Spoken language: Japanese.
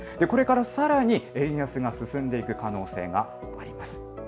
これからさらに円安が進んでいく可能性があります。